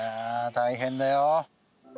大変だよ。